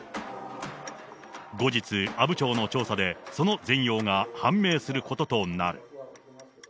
後日、阿武町の調査で、その全容が判明することとなる。